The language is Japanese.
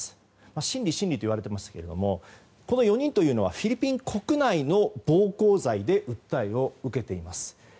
審理、審理といわれていますがこの４人はフィリピン国内の暴行罪で訴えを受けています。